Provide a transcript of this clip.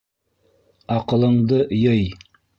Аҡылыңды йый!